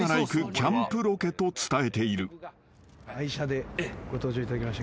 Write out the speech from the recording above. キャンプロケと伝えている］